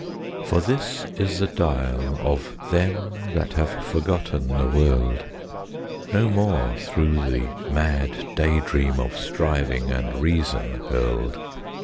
For this is the dial of them That have forgotten the world, No more through the mad day dream Of striving and reason hurled.